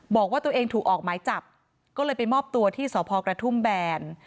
บอกว่าตัวเองถูกออกหมายจับก็เลยไปมอบตัวที่สพกระทุ่มแบน